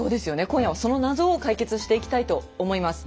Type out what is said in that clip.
今夜はその謎を解決していきたいと思います。